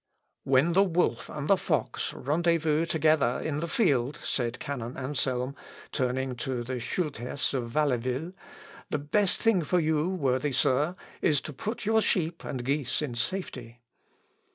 "When the wolf and the fox rendezvous together in the field," said canon Anselm, turning to the Schulthess of Walleville, "the best thing for you, worthy Sir, is to put your sheep and geese in safety."